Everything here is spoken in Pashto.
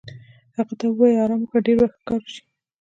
هغې ته ووایې چې ارام وکړه، ډېر به ښه کار وشي.